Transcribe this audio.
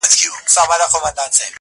خوږېدی به یې له درده هر یو غړی -